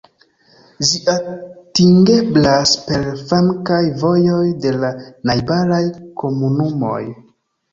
Ĝi atingeblas per flankaj vojoj de la najbaraj komunumoj.